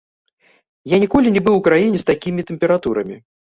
Я ніколі не быў у краіне з такімі тэмпературамі.